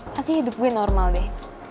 pasti hidup gue normal deh